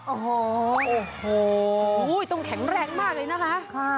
อื้อฮือโอ้โห้ต้องแข็งแรงมากเลยนะคะ